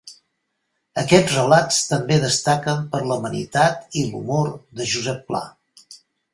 Aquests relats també destaquen per l'amenitat i l'humor de Josep Pla.